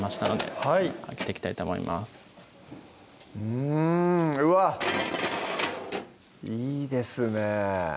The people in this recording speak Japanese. うんうわっいいですね